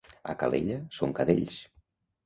A Calella són cadells.